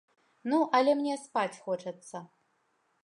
Ну, але мне спаць хочацца!